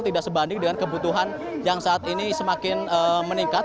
tidak sebanding dengan kebutuhan yang saat ini semakin meningkat